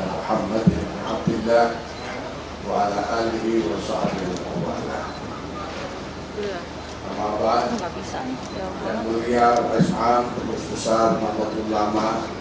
selamat pagi selamat malam